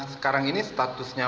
sekarang ini statusnya